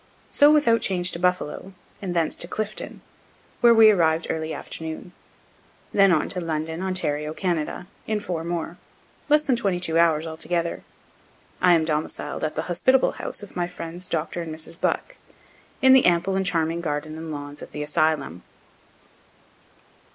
So without change to Buffalo, and thence to Clifton, where we arrived early afternoon; then on to London, Ontario, Canada, in four more less than twenty two hours altogether. I am domiciled at the hospitable house of my friends Dr. and Mrs. Bucke, in the ample and charming garden and lawns of the asylum.